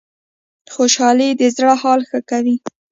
خوشحالي د زړه حال ښه کوي